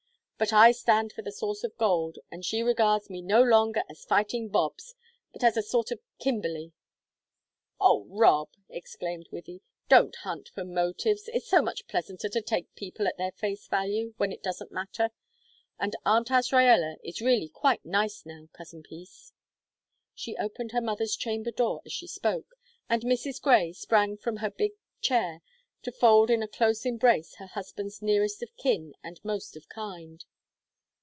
But I stand for the source of gold, and she regards me no longer as fighting 'Bobs,' but as a sort of Kimberley." "Oh, Rob!" exclaimed Wythie, "don't hunt for motives! It's so much pleasanter to take people at their face value, when it doesn't matter. And Aunt Azraella is really quite nice now, Cousin Peace." She opened her mother's chamber door as she spoke, and Mrs. Grey sprang from her big chair to fold in a close embrace her husband's nearest of kin and most of kind.